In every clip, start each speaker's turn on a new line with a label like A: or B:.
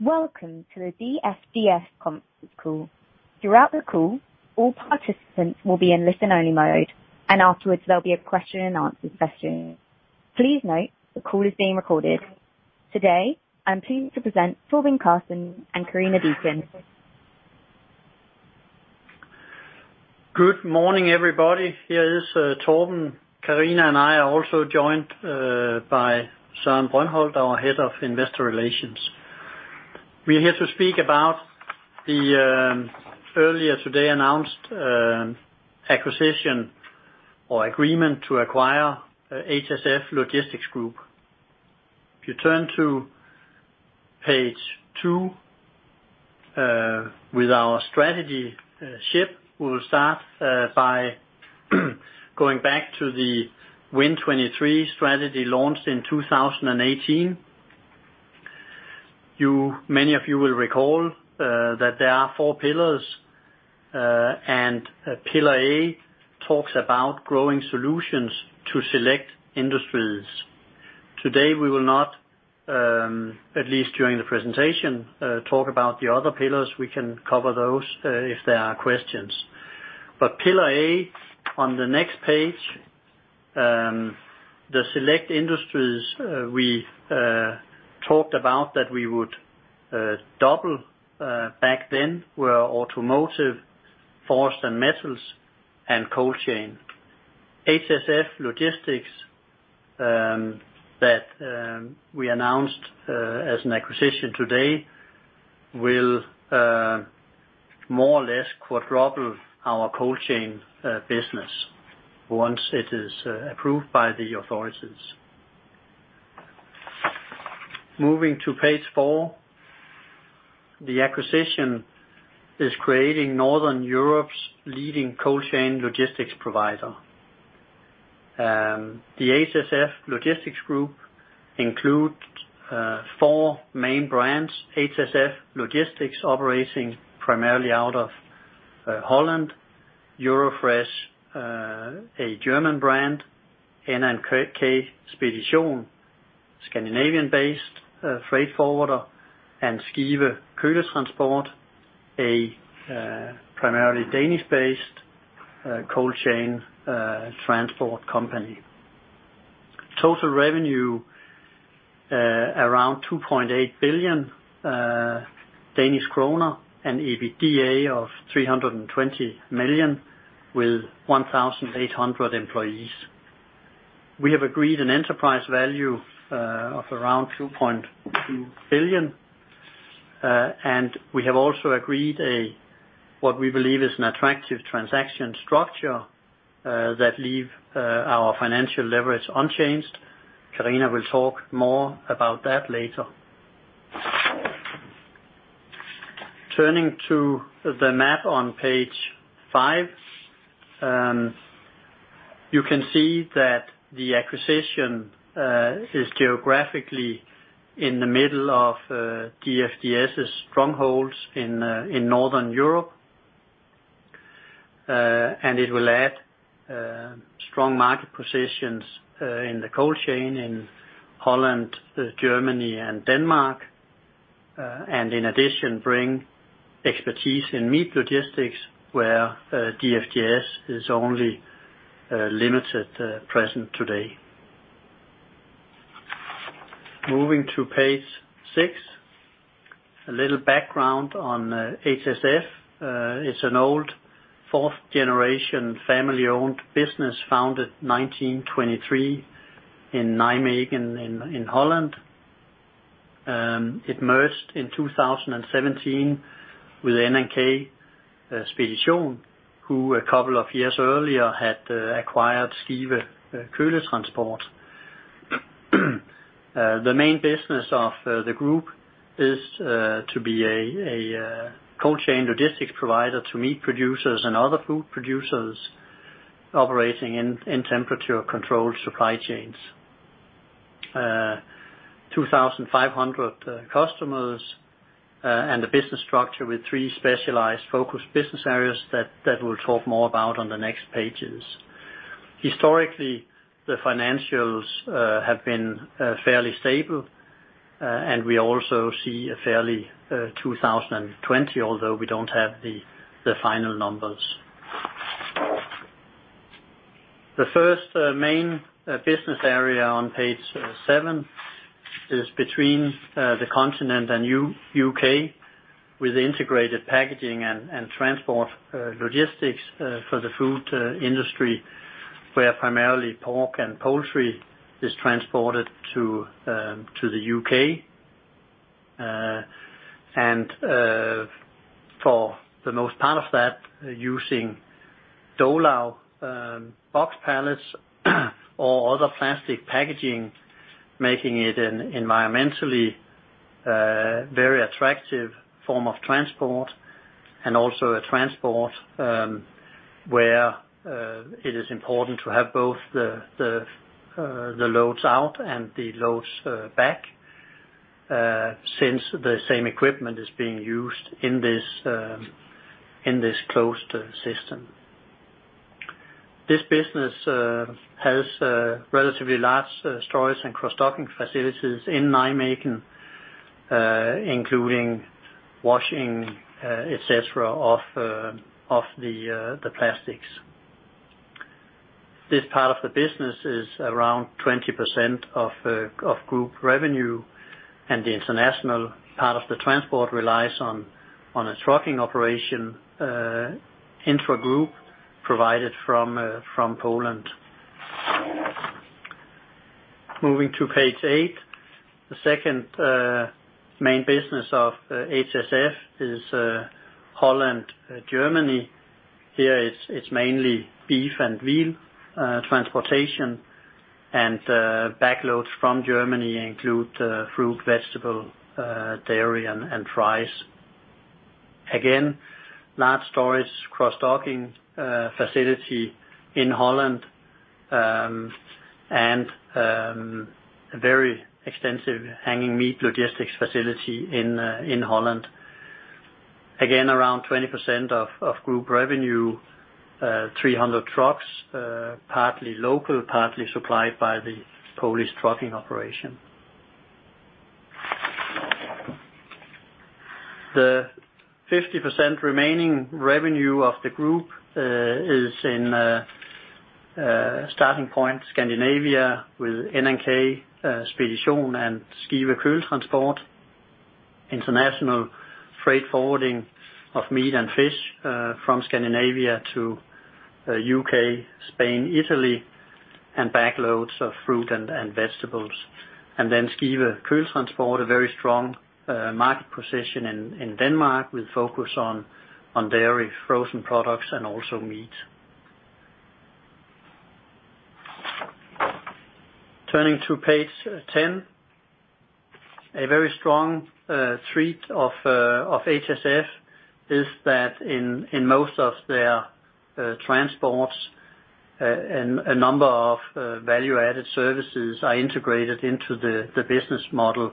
A: Welcome to the DFDS conference call. Throughout the call, all participants will be in listen-only mode, and afterwards, there'll be a question and answer session. Please note, the call is being recorded. Today, I'm pleased to present Torben Carlsen and Karina Deacon.
B: Good morning, everybody. Here is Torben. Karina and I are also joined by Søren Brøndholt, our Head of Investor relations. We're here to speak about the earlier today announced acquisition or agreement to acquire HSF Logistics Group. If you turn to page two, with our strategy ship, we will start by going back to the Win23 strategy launched in 2018. Many of you will recall that there are four pillars, Pillar A talks about growing solutions to select industries. Today, we will not, at least during the presentation, talk about the other pillars. We can cover those if there are questions. Pillar A on the next page, the select industries we talked about that we would double back then were automotive, forest and metals, and cold chain. HSF Logistics that we announced as an acquisition today will more or less quadruple our cold chain business once it is approved by the authorities. Moving to page four, the acquisition is creating Northern Europe's leading cold chain logistics provider. The HSF Logistics Group include four main brands, HSF Logistics, operating primarily out of Holland, Eurofresh, a German brand, N&K Spedition, Scandinavian-based freight forwarder, and Skive Køletransport, a primarily Danish-based cold chain transport company. Total revenue around 2.8 billion Danish kroner and EBITDA of 320 million with 1,800 employees. We have agreed an enterprise value of around 2.2 billion, and we have also agreed what we believe is an attractive transaction structure that leave our financial leverage unchanged. Karina will talk more about that later. Turning to the map on page five, you can see that the acquisition is geographically in the middle of DFDS's strongholds in Northern Europe. It will add strong market positions in the cold chain in Holland, Germany, and Denmark. In addition, bring expertise in meat logistics, where DFDS is only limited present today. Moving to page six, a little background on HSF. It's an old fourth-generation family-owned business founded 1923 in Nijmegen in Holland. It merged in 2017 with N&K Spedition, who a couple of years earlier had acquired Skive Køletransport. The main business of the group is to be a cold chain logistics provider to meat producers and other food producers operating in temperature-controlled supply chains. 2,500 customers and a business structure with three specialized focused business areas that we'll talk more about on the next pages. Historically, the financials have been fairly stable, we also see a fairly 2020, although we don't have the final numbers. The first main business area on page seven is between the continent and U.K., with integrated packaging and transport logistics for the food industry, where primarily pork and poultry is transported to the U.K. For the most part of that, using Dolav box pallets or other plastic packaging, making it an environmentally very attractive form of transport and also a transport where it is important to have both the loads out and the loads back, since the same equipment is being used in this closed system. This business has relatively large storage and cross-docking facilities in Nijmegen, including washing, etc., of the plastics. This part of the business is around 20% of group revenue, and the international part of the transport relies on a trucking operation intragroup provided from Poland. Moving to page eight. The second main business of HSF is Holland, Germany. Here it's mainly beef and veal transportation, and back loads from Germany include fruit, vegetable, dairy, and fries. Again, large storage cross-docking facility in Holland, and a very extensive hanging meat logistics facility in Holland. Again, around 20% of group revenue, 300 trucks, partly local, partly supplied by the Polish trucking operation. The 50% remaining revenue of the group is in starting point Scandinavia with N&K Spedition and Skive Køletransport. International freight forwarding of meat and fish from Scandinavia to U.K., Spain, Italy, and back loads of fruit and vegetables. Skive Køletransport, a very strong market position in Denmark with focus on dairy, frozen products, and also meat. Turning to page 10. A very strong trait of HSF is that in most of their transports, a number of value-added services are integrated into the business model.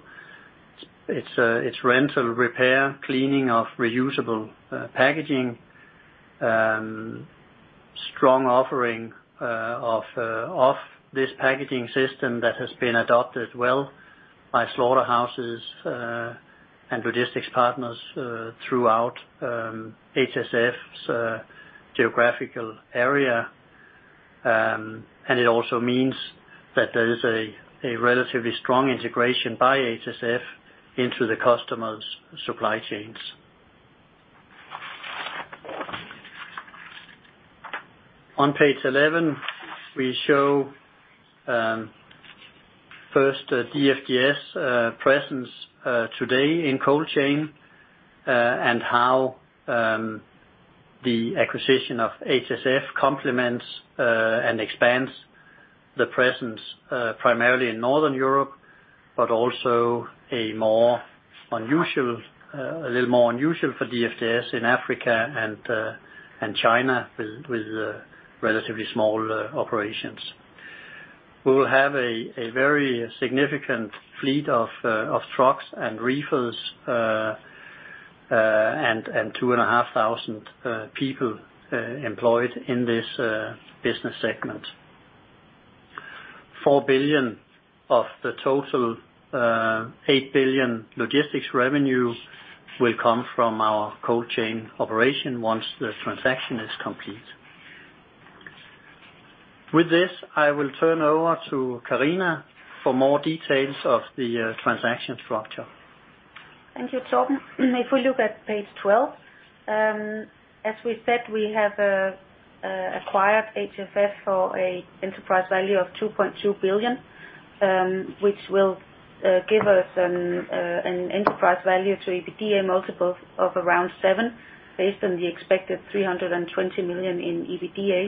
B: It's rental, repair, cleaning of reusable packaging. Strong offering of this packaging system that has been adopted well by slaughterhouses and logistics partners throughout HSF's geographical area. It also means that there is a relatively strong integration by HSF into the customer's supply chains. On page 11, we show first DFDS presence today in cold chain and how the acquisition of HSF complements and expands the presence primarily in Northern Europe, but also a little more unusual for DFDS in Africa and China, with relatively small operations. We will have a very significant fleet of trucks and reefers, and 2,500 people employed in this business segment. 4 billion of the total 8 billion logistics revenue will come from our cold chain operation once the transaction is complete. With this, I will turn over to Karina for more details of the transaction structure.
C: Thank you, Torben. If we look at page 12, as we said, we have acquired HSF for an enterprise value of 2.2 billion, which will give us an enterprise value to EBITDA multiple of around 7x based on the expected 320 million in EBITDA.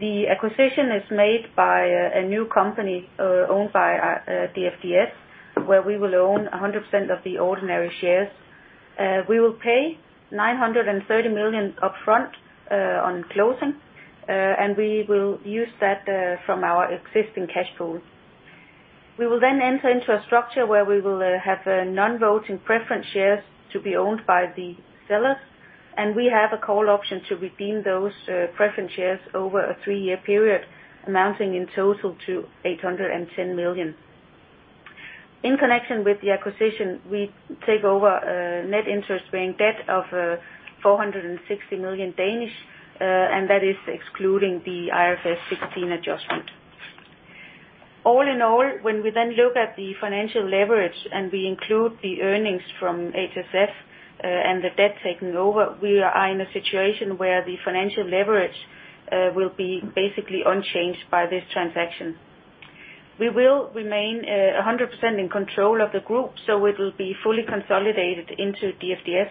C: The acquisition is made by a new company owned by DFDS, where we will own 100% of the ordinary shares. We will pay 930 million up front on closing, we will use that from our existing cash pool. We will enter into a structure where we will have non-voting preference shares to be owned by the sellers, and we have a call option to redeem those preference shares over a three-year period, amounting in total to 810 million. In connection with the acquisition, we take over a net interest-bearing debt of 460 million, that is excluding the IFRS 16 adjustment. All in all, when we look at the financial leverage and we include the earnings from HSF and the debt taken over, we are in a situation where the financial leverage will be basically unchanged by this transaction. We will remain 100% in control of the group, it will be fully consolidated into DFDS,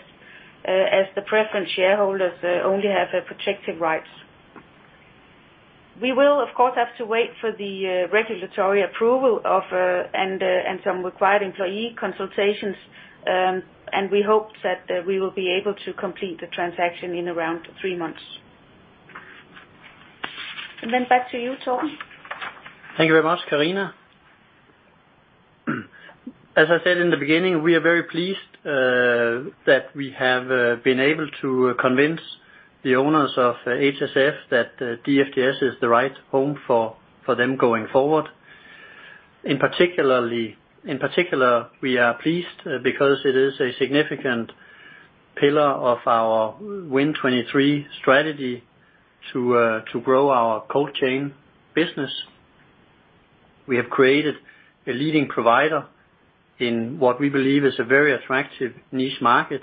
C: as the preference shareholders only have protective rights. We will, of course, have to wait for the regulatory approval and some required employee consultations, we hope that we will be able to complete the transaction in around three months. Back to you, Torben.
B: Thank you very much, Karina. As I said in the beginning, we are very pleased that we have been able to convince the owners of HSF that DFDS is the right home for them going forward. In particular, we are pleased because it is a significant pillar of our Win23 strategy to grow our cold chain business. We have created a leading provider in what we believe is a very attractive niche market.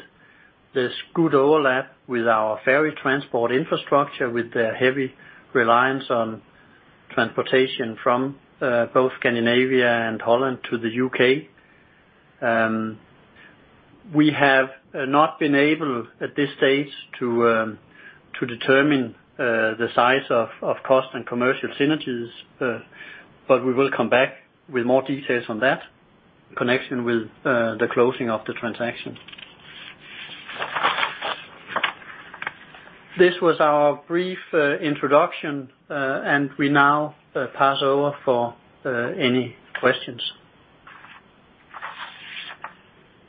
B: There's good overlap with our ferry transport infrastructure, with the heavy reliance on transportation from both Scandinavia and Holland to the U.K. We have not been able, at this stage, to determine the size of cost and commercial synergies, but we will come back with more details on that in connection with the closing of the transaction. This was our brief introduction, and we now pass over for any questions.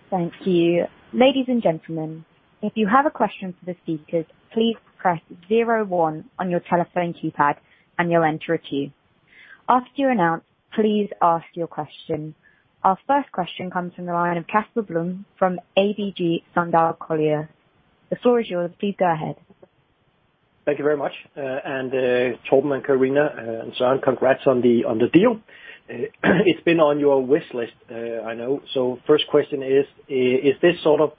A: Thank you. Ladies and gentlemen, if you have a question for the speakers, please press zero one on your telephone keypad and you'll enter a queue. After you're announced, please ask your question. Our first question comes from the line of Casper Blom from ABG Sundal Collier. The floor is yours. Please go ahead.
D: Thank you very much. Torben and Karina and Søren, congrats on the deal. It has been on your wish list, I know. First question is this sort of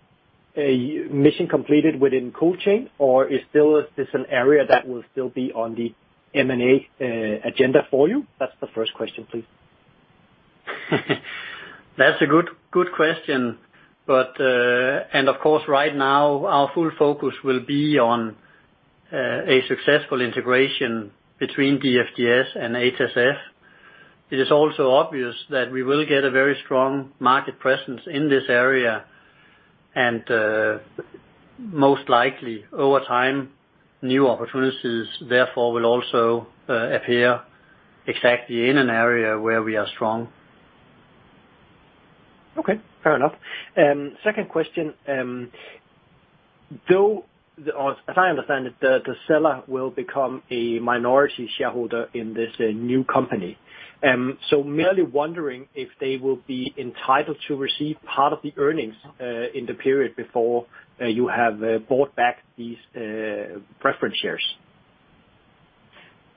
D: a mission completed within cold chain, or is this an area that will still be on the M&A agenda for you? That is the first question, please.
B: That's a good question. Of course, right now our full focus will be on a successful integration between DFDS and HSF. It is also obvious that we will get a very strong market presence in this area. Most likely, over time, new opportunities therefore will also appear exactly in an area where we are strong.
D: Okay, fair enough. Second question. As I understand it, the seller will become a minority shareholder in this new company. Merely wondering if they will be entitled to receive part of the earnings in the period before you have bought back these preference shares.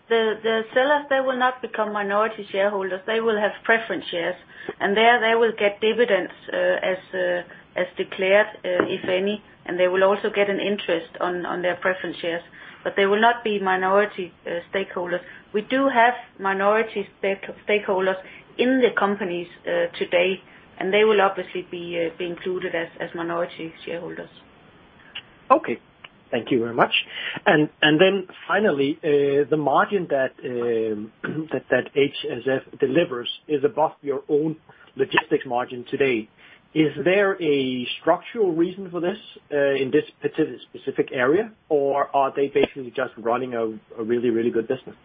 C: The sellers, they will not become minority shareholders. They will have preference shares, and there they will get dividends as declared, if any. They will also get an interest on their preference shares. They will not be minority stakeholders. We do have minority stakeholders in the companies today, and they will obviously be included as minority shareholders.
D: Okay. Thank you very much. Then finally, the margin that HSF delivers is above your own logistics margin today. Is there a structural reason for this in this specific area, or are they basically just running a really good business?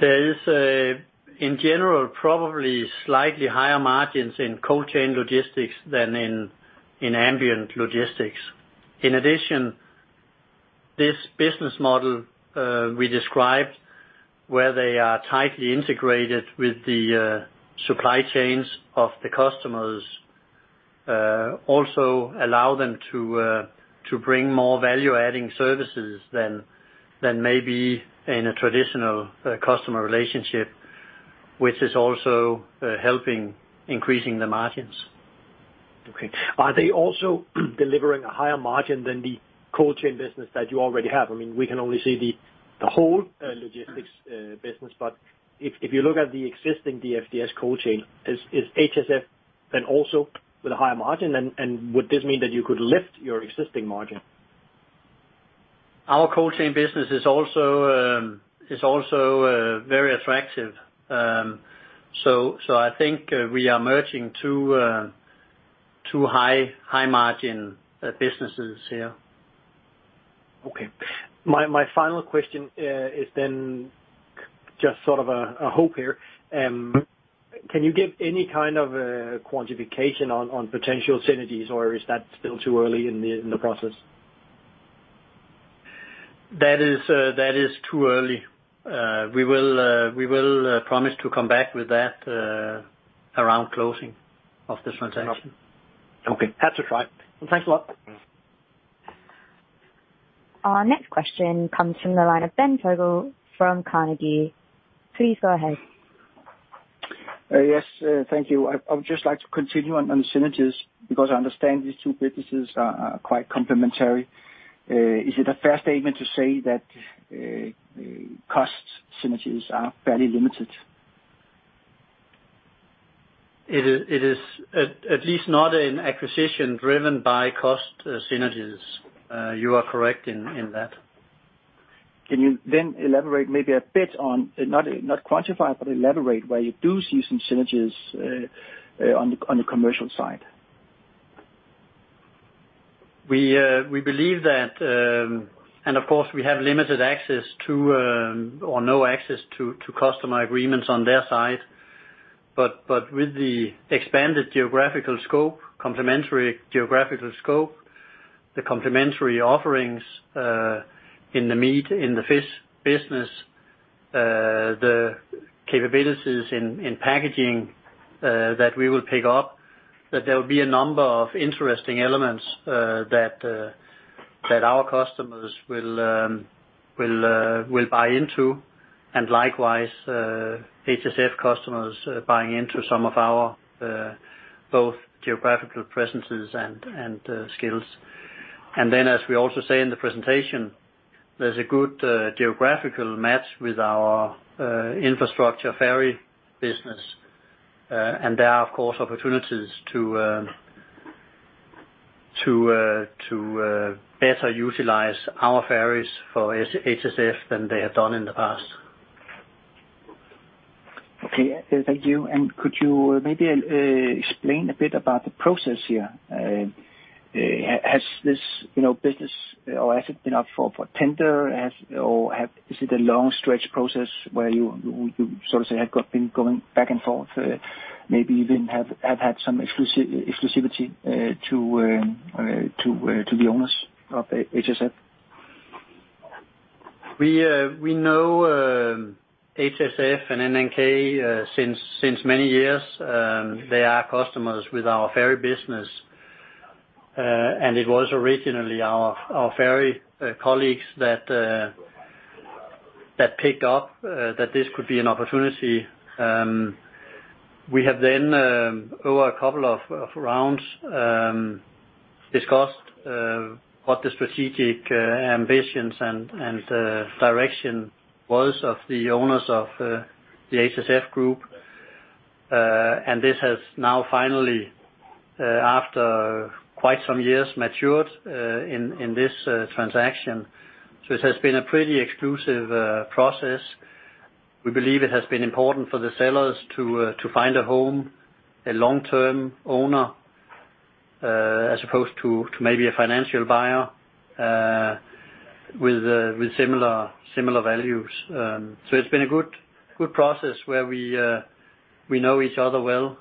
B: There is, in general, probably slightly higher margins in cold chain logistics than in ambient logistics. In addition, this business model we described, where they are tightly integrated with the supply chains of the customers, also allow them to bring more value-adding services than maybe in a traditional customer relationship, which is also helping increasing the margins.
D: Are they also delivering a higher margin than the cold chain business that you already have? We can only see the whole logistics business, but if you look at the existing DFDS cold chain, is HSF then also with a higher margin, and would this mean that you could lift your existing margin?
B: Our cold chain business is also very attractive. I think we are merging two high margin businesses here.
D: My final question is then just sort of a hope here. Can you give any kind of quantification on potential synergies, or is that still too early in the process?
B: That is too early. We will promise to come back with that around closing of this transaction.
D: Okay, that's right. Thanks a lot.
A: Our next question comes from the line of Ben Fogle from Carnegie. Please go ahead.
E: Yes, thank you. I would just like to continue on synergies, because I understand these two businesses are quite complementary. Is it a fair statement to say that cost synergies are fairly limited?
B: It is at least not an acquisition driven by cost synergies. You are correct in that.
E: Can you elaborate maybe a bit on, not quantify, but elaborate where you do see some synergies on the commercial side?
B: We believe that, of course we have limited access to, or no access to customer agreements on their side. With the expanded geographical scope, complementary geographical scope, the complementary offerings in the meat, in the fish business, the capabilities in packaging that we will pick up, that there will be a number of interesting elements that our customers will buy into. Likewise, HSF customers buying into some of our both geographical presences and skills. Then, as we also say in the presentation, there's a good geographical match with our infrastructure ferry business. There are, of course, opportunities to better utilize our ferries for HSF than they have done in the past.
E: Okay. Thank you. Could you maybe explain a bit about the process here? Has this business or has it been up for tender? Or is it a long stretched process where you sort of say, have been going back and forth, maybe even have had some exclusivity to the owners of HSF?
B: We know HSF and N&K since many years. They are customers with our ferry business. It was originally our ferry colleagues that picked up that this could be an opportunity. We have then, over a couple of rounds, discussed what the strategic ambitions and direction was of the owners of the HSF Group. This has now finally, after quite some years, matured in this transaction. It has been a pretty exclusive process. We believe it has been important for the sellers to find a home, a long-term owner, as opposed to maybe a financial buyer with similar values. It's been a good process where we know each other well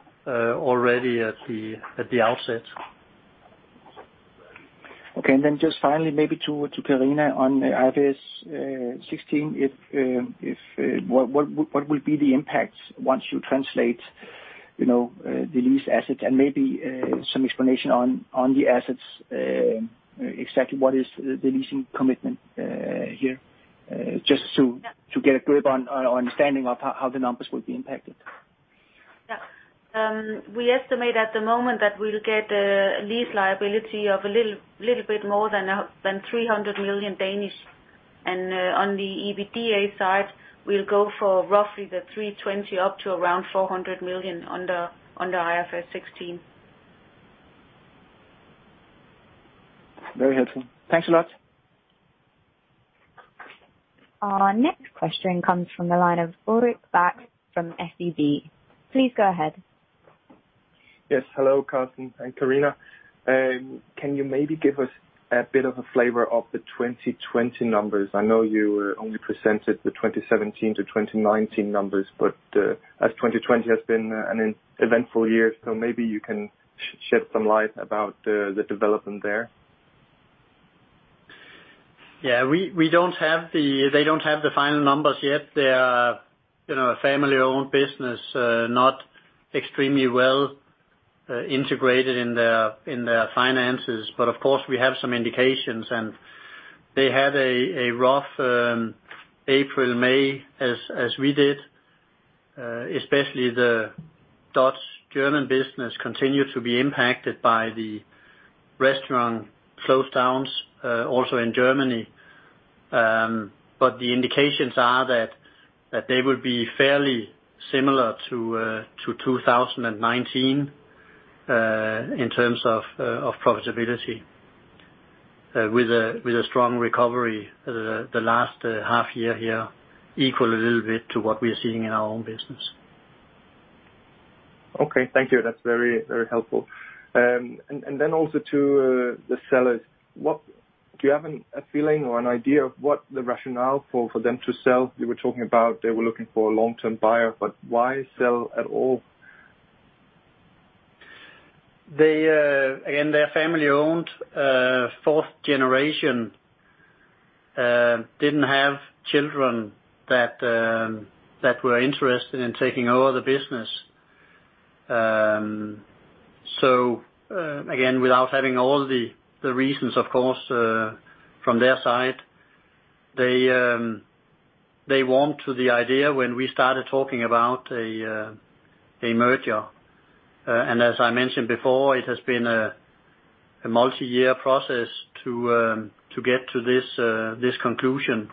B: already at the outset.
E: Just finally, maybe to Karina on the IFRS 16. What will be the impact once you translate the lease assets and maybe some explanation on the assets, exactly what is the leasing commitment here? Just to get a grip on understanding of how the numbers will be impacted.
C: We estimate at the moment that we'll get a lease liability of a little bit more than 300 million. On the EBITDA side, we'll go for roughly 320 up to around 400 million under IFRS 16.
E: Very helpful. Thanks a lot.
A: Our next question comes from the line of Ulrik Bak from SEB. Please go ahead.
F: Yes. Hello, Torben and Karina. Can you maybe give us a bit of a flavor of the 2020 numbers? I know you only presented the 2017 to 2019 numbers, but as 2020 has been an eventful year, so maybe you can shed some light about the development there.
B: Yeah. They don't have the final numbers yet. They are a family-owned business, not extremely well integrated in their finances. Of course, we have some indications, and they had a rough April, May as we did. Especially the Dutch German business continued to be impacted by the restaurant close downs, also in Germany. The indications are that they will be fairly similar to 2019, in terms of profitability, with a strong recovery the last half year here, equal a little bit to what we are seeing in our own business.
F: Okay. Thank you. That's very helpful. Also to the sellers, do you have a feeling or an idea of what the rationale for them to sell? You were talking about they were looking for a long-term buyer, but why sell at all?
B: Again, they're family-owned, fourth generation. Didn't have children that were interested in taking over the business. Again, without having all the reasons, of course, from their side, they warmed to the idea when we started talking about a merger. As I mentioned before, it has been a multi-year process to get to this conclusion,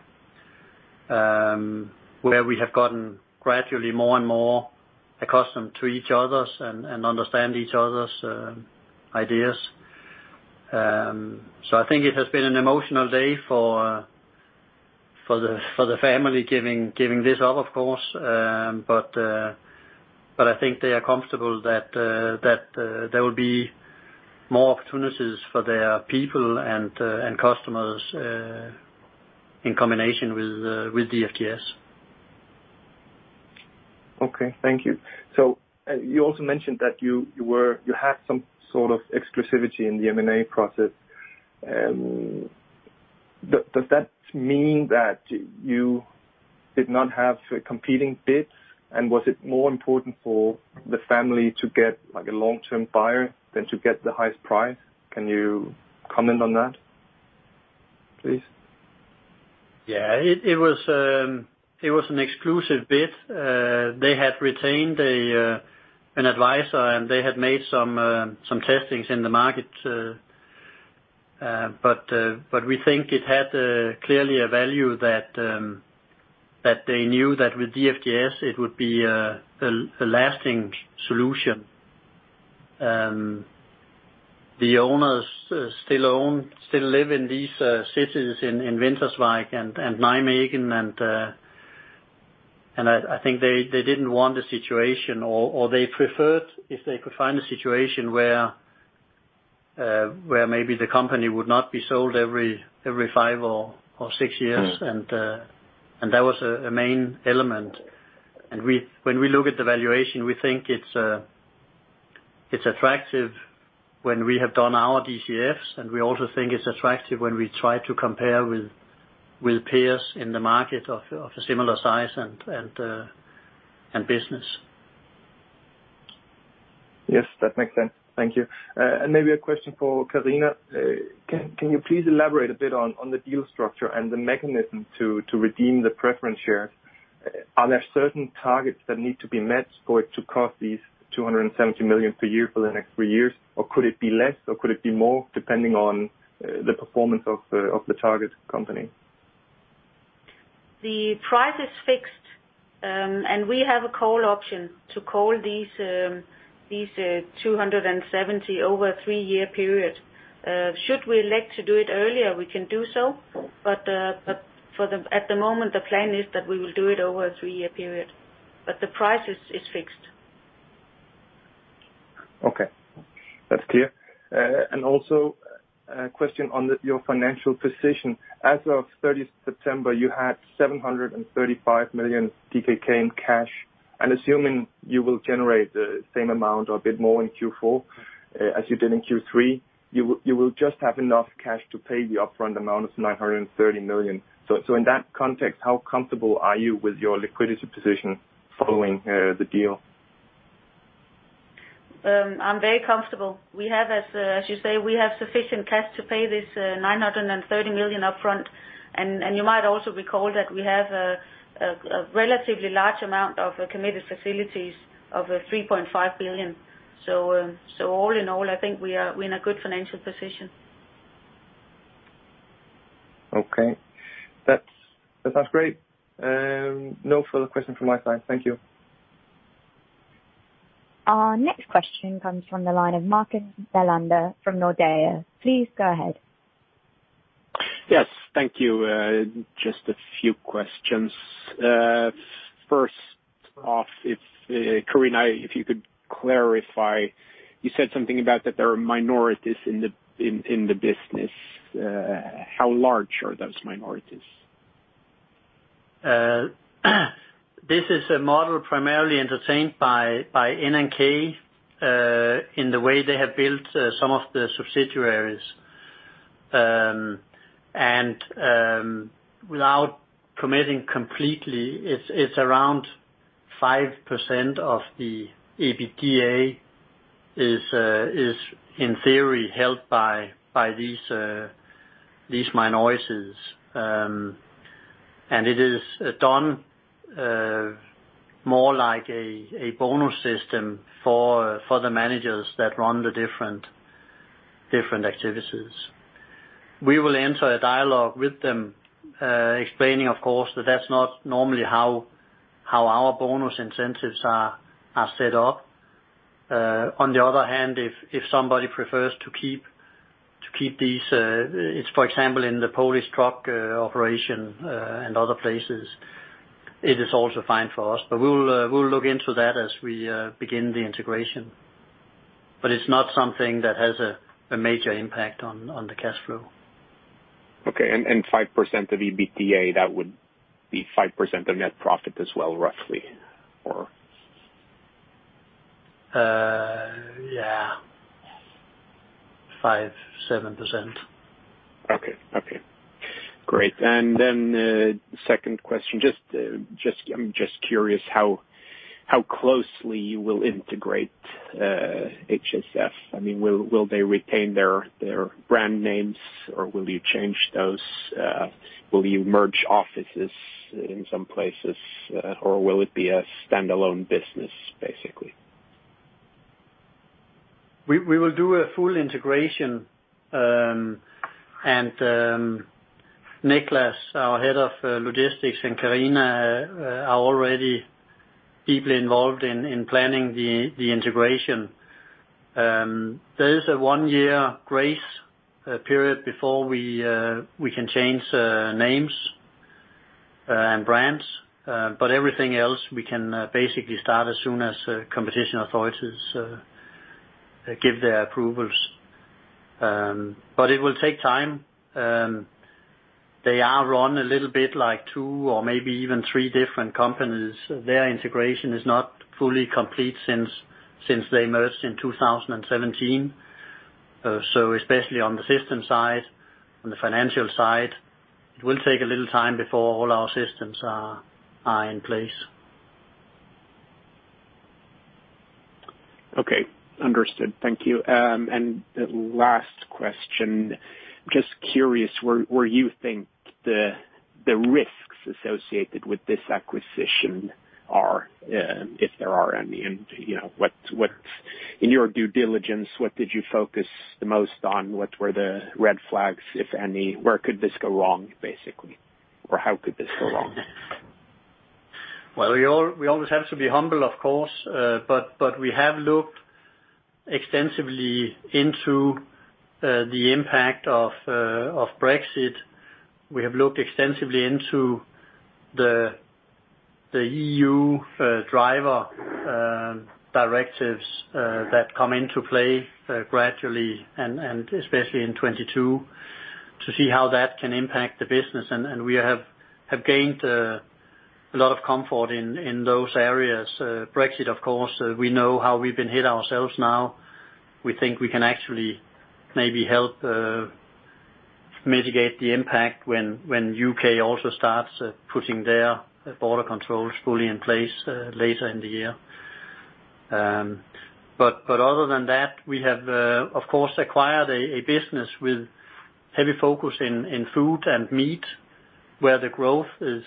B: where we have gotten gradually more and more accustomed to each other and understand each other's ideas. I think it has been an emotional day for the family giving this up, of course. I think they are comfortable that there will be more opportunities for their people and customers in combination with DFDS.
F: Okay. Thank you. You also mentioned that you had some sort of exclusivity in the M&A process. Does that mean that you did not have competing bids? Was it more important for the family to get a long-term buyer than to get the highest price? Can you comment on that, please?
B: Yeah. It was an exclusive bid. They had retained an advisor, and they had made some testings in the market. We think it had clearly a value that they knew that with DFDS it would be a lasting solution. The owners still live in these cities, in Winterswijk and Nijmegen, and I think they didn't want the situation, or they preferred if they could find a situation where maybe the company would not be sold every five or six years. That was a main element. When we look at the valuation, we think it's attractive when we have done our DCFs, and we also think it's attractive when we try to compare with peers in the market of a similar size and business.
F: Yes, that makes sense. Thank you. Maybe a question for Karina. Can you please elaborate a bit on the deal structure and the mechanism to redeem the preference share? Are there certain targets that need to be met for it to cost these 270 million per year for the next three years? Could it be less, or could it be more, depending on the performance of the target company?
C: The price is fixed, and we have a call option to call these 270 million over a three-year period. Should we elect to do it earlier, we can do so, but at the moment, the plan is that we will do it over a three-year period. The price is fixed.
F: That's clear. Also a question on your financial position. As of September 30th, you had 735 million DKK in cash, and assuming you will generate the same amount or a bit more in Q4 as you did in Q3, you will just have enough cash to pay the upfront amount of 930 million. In that context, how comfortable are you with your liquidity position following the deal?
C: I'm very comfortable. As you say, we have sufficient cash to pay this 930 million up front. You might also recall that we have a relatively large amount of committed facilities of 3.5 billion. All in all, I think we're in a good financial position.
F: Okay. That sounds great. No further questions from my side. Thank you.
A: Our next question comes from the line of Marcus Bellander from Nordea. Please go ahead.
G: Yes. Thank you. Just a few questions. First off, Karina, if you could clarify, you said something about that there are minorities in the business. How large are those minorities?
B: This is a model primarily entertained by N&K in the way they have built some of the subsidiaries. Without committing completely, it's around 5% of the EBITDA is in theory, held by these minorities. It is done more like a bonus system for the managers that run the different activities. We will enter a dialogue with them, explaining, of course, that that's not normally how our bonus incentives are set up. On the other hand, if somebody prefers to keep these, for example, in the Polish truck operation and other places, it is also fine for us. We'll look into that as we begin the integration. It's not something that has a major impact on the cash flow.
G: Okay. 5% of EBITDA, that would be 5% of net profit as well, roughly?
B: Yeah. 5%-7%.
G: Okay. Great. The second question, I'm just curious how closely you will integrate HSF. Will they retain their brand names, or will you change those? Will you merge offices in some places, or will it be a standalone business, basically?
B: We will do a full integration. Niklas, our Head of Logistics, and Karina are already deeply involved in planning the integration. There is a one-year grace period before we can change names and brands. Everything else we can basically start as soon as competition authorities give their approvals. It will take time. They are run a little bit like two or maybe even three different companies. Their integration is not fully complete since they merged in 2017. Especially on the system side, on the financial side, it will take a little time before all our systems are in place.
G: Okay, understood. Thank you. The last question, just curious where you think the risks associated with this acquisition are, if there are any. In your due diligence, what did you focus the most on? What were the red flags, if any? Where could this go wrong, basically, or how could this go wrong?
B: Well, we always have to be humble, of course, but we have looked extensively into the impact of Brexit. We have looked extensively into the EU Mobility Package that come into play gradually, and especially in 2022, to see how that can impact the business. We have gained a lot of comfort in those areas. Brexit, of course, we know how we've been hit ourselves now. We think we can actually maybe help mitigate the impact when U.K. also starts putting their border controls fully in place later in the year. Other than that, we have, of course, acquired a business with heavy focus in food and meat where the growth is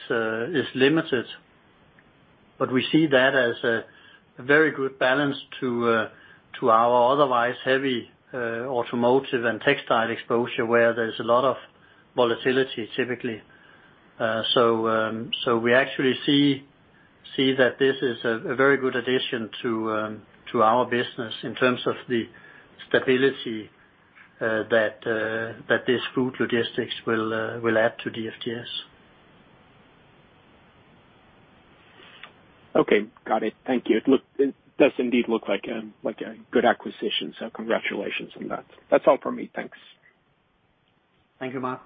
B: limited. We see that as a very good balance to our otherwise heavy automotive and textile exposure, where there's a lot of volatility typically. We actually see that this is a very good addition to our business in terms of the stability that this food logistics will add to DFDS.
G: Okay. Got it. Thank you. It does indeed look like a good acquisition, congratulations on that. That's all from me. Thanks.
B: Thank you, Marcus.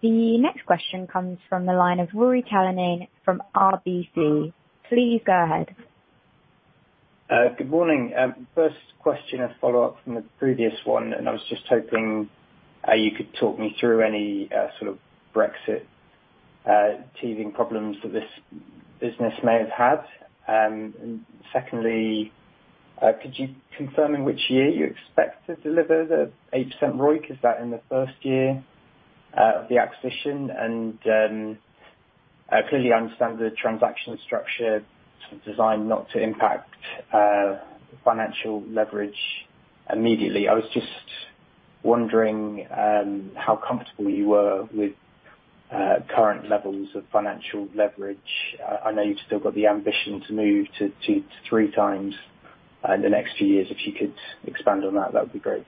A: The next question comes from the line of Ruairi Cullinane from RBC. Please go ahead.
H: Good morning. First question, a follow-up from the previous one, I was just hoping you could talk me through any sort of Brexit teething problems that this business may have had. Secondly, could you confirm in which year you expect to deliver the 8% ROIC? Is that in the first year of the acquisition? I clearly understand the transaction structure designed not to impact financial leverage immediately. I was just wondering how comfortable you were with current levels of financial leverage. I know you've still got the ambition to move to three times in the next few years. If you could expand on that would be great.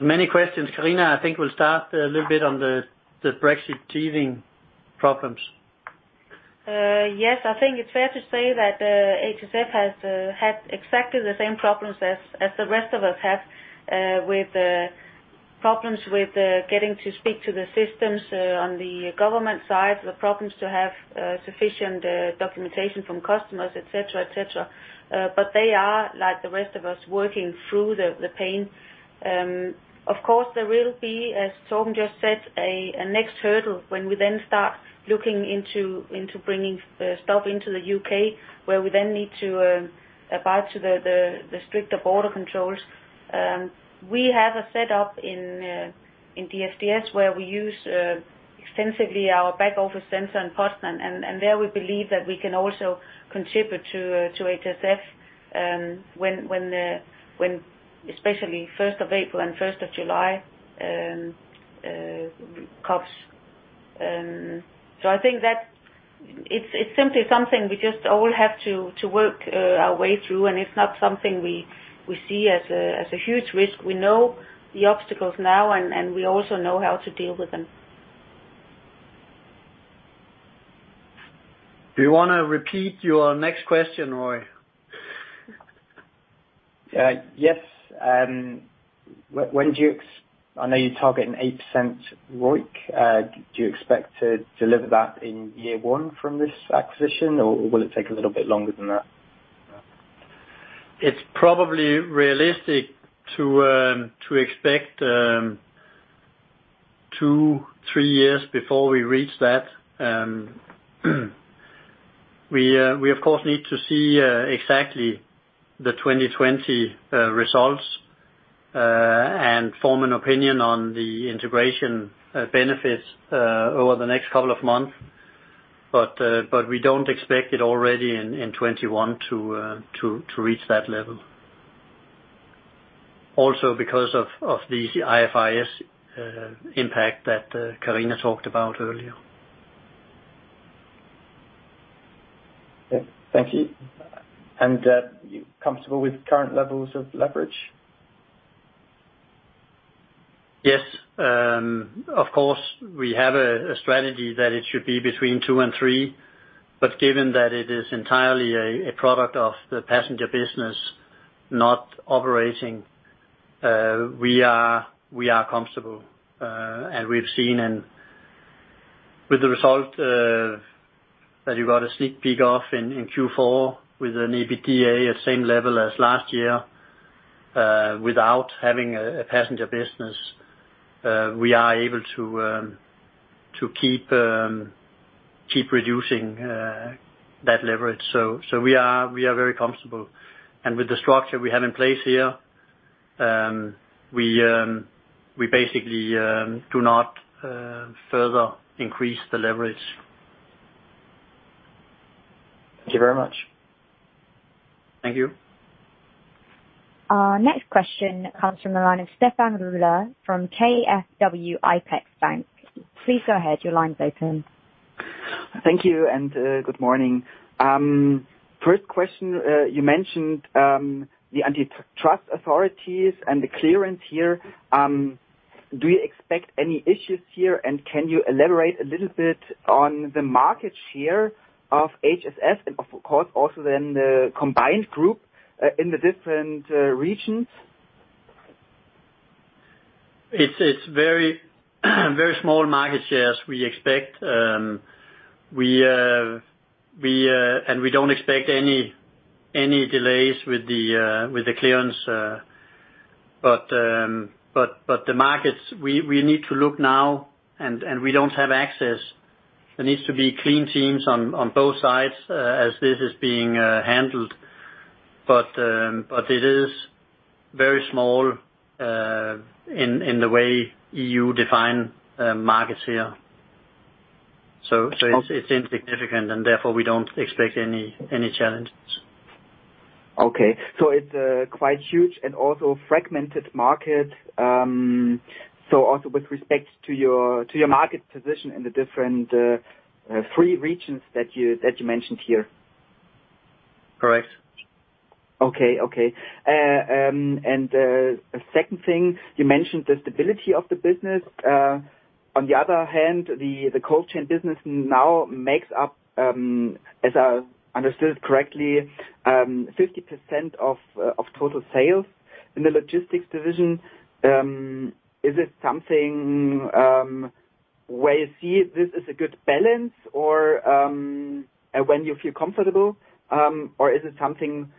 B: Many questions. Karina, I think we'll start a little bit on the Brexit teething problems.
C: Yes. I think it's fair to say that HSF has had exactly the same problems as the rest of us have, with problems with getting to speak to the systems on the government side, the problems to have sufficient documentation from customers, etc. They are, like the rest of us, working through the pain. Of course, there will be, as Torben just said, a next hurdle when we then start looking into bringing stuff into the U.K., where we then need to abide to the stricter border controls. We have a set up in DFDS where we use extensively our back office center in Poznan, and there we believe that we can also contribute to HSF, especially April 1st and July 1st comes. I think that it's simply something we just all have to work our way through, and it's not something we see as a huge risk. We know the obstacles now, and we also know how to deal with them.
B: Do you want to repeat your next question, Ruairi?
H: Yes. I know you're targeting 8% ROIC. Do you expect to deliver that in year one from this acquisition, or will it take a little bit longer than that?
B: It's probably realistic to expect two, three years before we reach that. We, of course, need to see exactly the 2020 results and form an opinion on the integration benefits over the next couple of months. We don't expect it already in 2021 to reach that level. Also because of the IFRS 16 impact that Karina talked about earlier.
H: Okay, thank you. You're comfortable with current levels of leverage?
B: Yes. Of course, we have a strategy that it should be between two and three, given that it is entirely a product of the passenger business not operating, we are comfortable. We've seen with the result that you got a sneak peek of in Q4 with an EBITDA at the same level as last year, without having a passenger business, we are able to keep reducing that leverage. We are very comfortable. With the structure we have in place here, we basically do not further increase the leverage.
H: Thank you very much.
B: Thank you.
A: Our next question comes from the line of Stefan Roehle from KfW IPEX-Bank. Please go ahead. Your line's open.
I: Thank you, and good morning. First question, you mentioned the antitrust authorities and the clearance here. Do you expect any issues here, and can you elaborate a little bit on the market share of HSF and of course, also then the combined group, in the different regions?
B: It's very small market shares we expect. We don't expect any delays with the clearance. The markets, we need to look now, and we don't have access. There needs to be clean teams on both sides as this is being handled. It is very small in the way you define markets here. It's insignificant, and therefore, we don't expect any challenges.
I: Okay. It's a quite huge and also fragmented market. Also with respect to your market position in the different three regions that you mentioned here.
B: Correct.
I: The second thing, you mentioned the stability of the business. On the other hand, the cold chain business now makes up, as I understood correctly, 50% of total sales in the Logistics Division. Is it something where you see this as a good balance, or when you feel comfortable, or is it something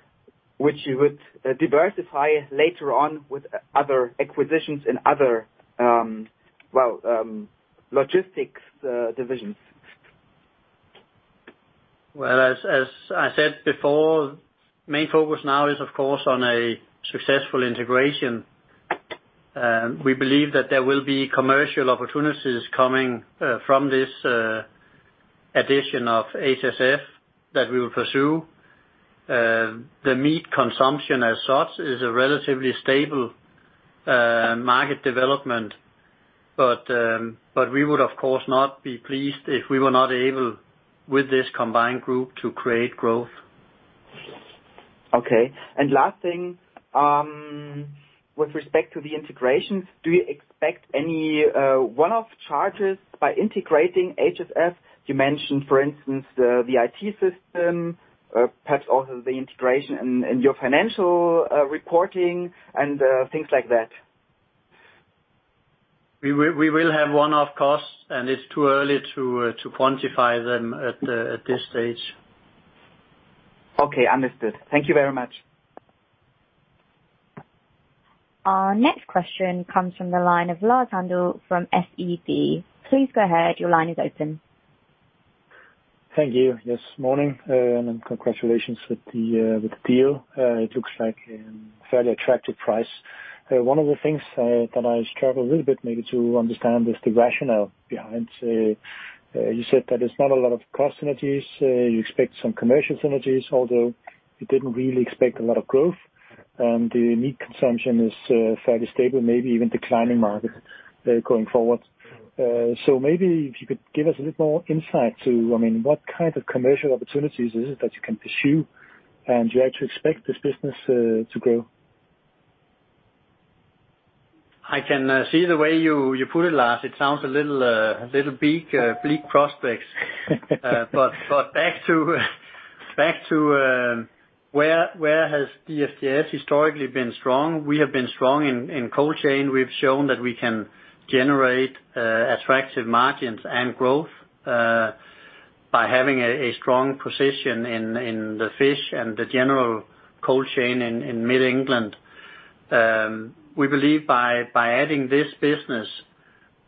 I: which you would diversify later on with other acquisitions in other logistics divisions?
B: Well, as I said before, main focus now is of course on a successful integration. We believe that there will be commercial opportunities coming from this addition of HSF that we will pursue. The meat consumption as such is a relatively stable market development. We would of course not be pleased if we were not able, with this combined group, to create growth.
I: Okay. Last thing, with respect to the integrations, do you expect any one-off charges by integrating HSF? You mentioned, for instance, the IT system, perhaps also the integration in your financial reporting and things like that.
B: We will have one-off costs, and it's too early to quantify them at this stage.
I: Okay, understood. Thank you very much.
A: Our next question comes from the line of Lars Handel from SEB. Please go ahead. Your line is open.
J: Thank you. Yes, morning, and congratulations with the deal. It looks like a fairly attractive price. One of the things that I struggle a little bit maybe to understand is the rationale behind, you said that there's not a lot of cost synergies. You expect some commercial synergies, although you didn't really expect a lot of growth, and the meat consumption is fairly stable, maybe even declining market going forward. Maybe if you could give us a little more insight to, what kind of commercial opportunities is it that you can pursue? Do you actually expect this business to grow?
B: I can see the way you put it, Lars. It sounds a little bleak prospects. Back to where has DFDS historically been strong. We have been strong in cold chain. We've shown that we can generate attractive margins and growth, by having a strong position in the fish and the general cold chain in mid England. We believe by adding this business,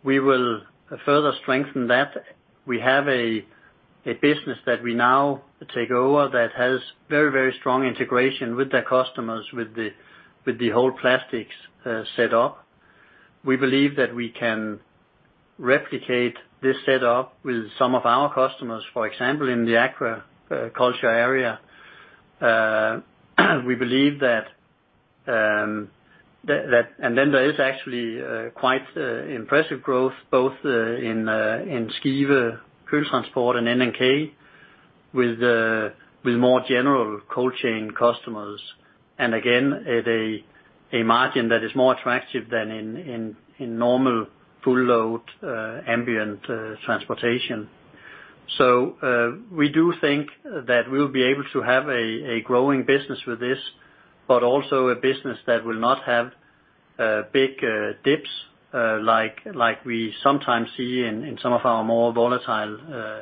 B: we will further strengthen that. We have a business that we now take over that has very strong integration with their customers, with the whole plastics set up. We believe that we can replicate this setup with some of our customers, for example, in the agriculture area. Then there is actually quite impressive growth both in Skive Køletransport and N&K, with more general cold chain customers. Again, at a margin that is more attractive than in normal full load, ambient transportation. We do think that we'll be able to have a growing business with this, but also a business that will not have big dips like we sometimes see in some of our more volatile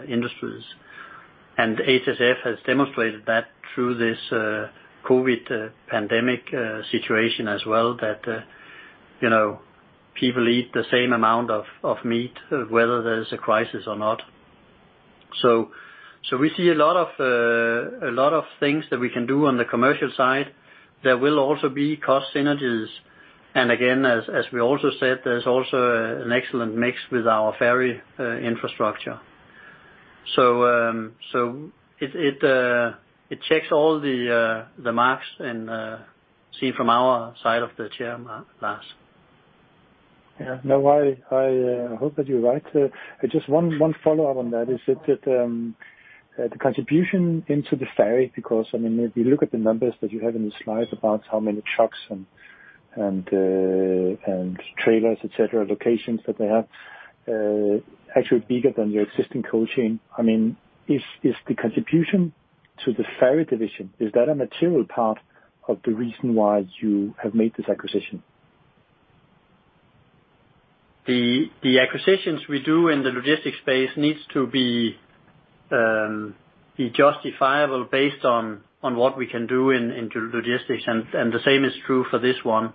B: industries. HSF has demonstrated that through this COVID pandemic situation as well, that people eat the same amount of meat, whether there's a crisis or not. We see a lot of things that we can do on the commercial side. There will also be cost synergies. As we also said, there's also an excellent mix with our ferry infrastructure. It checks all the marks and see from our side of the chair, Lars.
J: Yeah. No, I hope that you're right. Just one follow-up on that, is it that the contribution into the ferry, because if you look at the numbers that you have in the slides about how many trucks and trailers, et cetera, locations that they have, actually bigger than your existing cold chain, is the contribution to the ferry division a material part of the reason why you have made this acquisition?
B: The acquisitions we do in the logistics space needs to be justifiable based on what we can do in logistics, and the same is true for this one.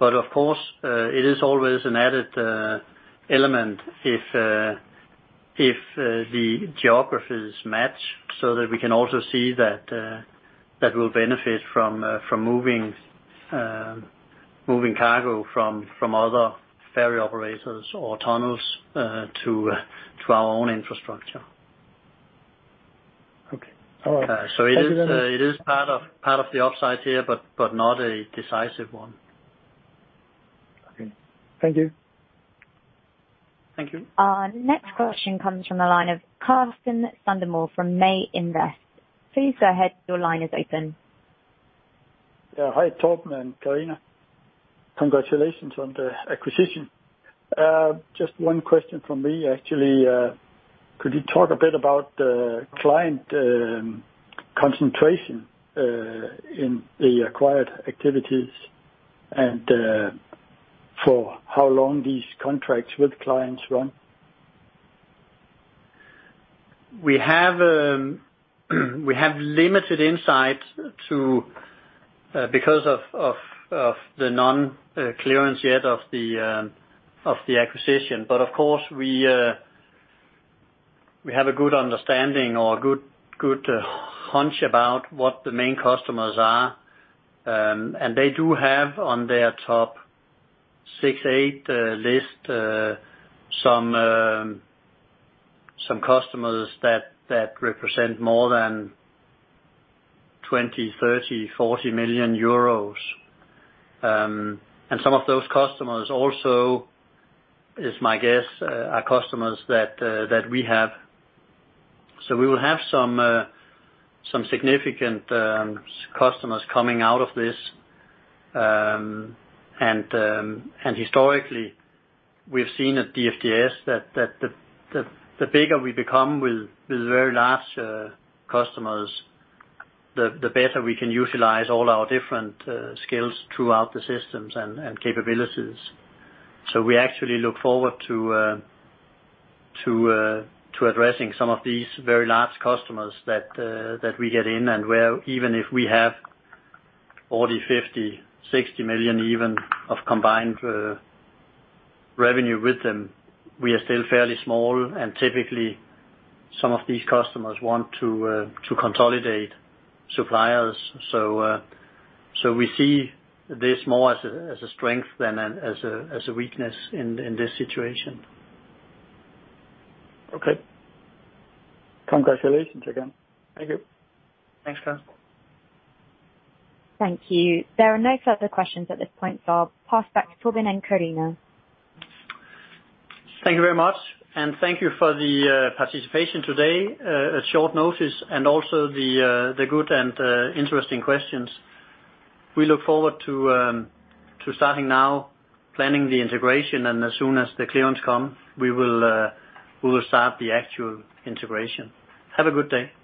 B: Of course, it is always an added element if the geographies match so that we can also see that will benefit from moving cargo from other ferry operators or tunnels to our own infrastructure.
J: Okay. All right. Thank you very much.
B: It is part of the upside here, but not a decisive one.
J: Okay. Thank you.
B: Thank you.
A: Our next question comes from the line of Karsten Søndermølle from Maj Invest. Please go ahead. Your line is open.
K: Hi, Torben and Karina. Congratulations on the acquisition. Just one question from me, actually. Could you talk a bit about the client concentration in the acquired activities and for how long these contracts with clients run?
B: We have limited insight because of the non-clearance yet of the acquisition. Of course, we have a good understanding or a good hunch about what the main customers are. They do have on their top six, eight list some customers that represent more than 20 million, 30 million, 40 million euros. Some of those customers also, is my guess, are customers that we have. We will have some significant customers coming out of this. Historically, we've seen at DFDS that the bigger we become with very large customers, the better we can utilize all our different skills throughout the systems and capabilities. We actually look forward to addressing some of these very large customers that we get in, and where even if we have 40 million, 50 million, 60 million even of combined revenue with them, we are still fairly small. Typically, some of these customers want to consolidate suppliers. We see this more as a strength than as a weakness in this situation.
K: Okay. Congratulations again. Thank you.
B: Thanks, Karsten.
A: Thank you. There are no further questions at this point. I'll pass back to Torben and Karina.
B: Thank you very much, and thank you for the participation today at short notice and also the good and interesting questions. We look forward to starting now planning the integration, and as soon as the clearance come, we will start the actual integration. Have a good day.